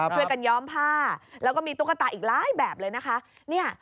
ย้อมผ้าแล้วก็มีตุ๊กตาอีกหลายแบบเลยนะคะ